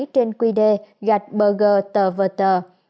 trên quy đề gạch bờ gờ tờ vờ tờ